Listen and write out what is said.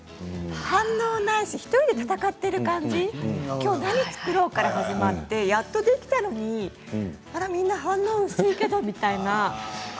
反応がないし１人で戦っている感じどれ作ろう？から始まってやっとできたのにあれ、みんな反応薄いけどみたいな。